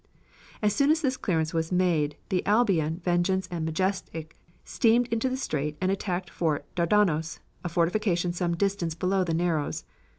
As soon as this clearance was made the Albion, Vengeance and Majestic steamed into the strait and attacked Fort Dardanos, a fortification some distance below the Narrows.